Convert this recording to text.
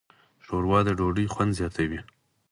ښوروا د ډوډۍ خوند زیاتوي.